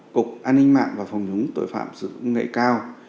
cục an ninh mạng và phòng nhúng tội phạm sử dụng nghệ cao